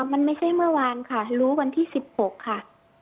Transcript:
มันไม่ใช่เมื่อวานค่ะรู้วันที่๑๖ค่ะ